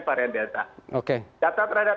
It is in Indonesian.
varian delta data terhadap